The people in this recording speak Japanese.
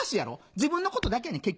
自分のことだけやねん結局。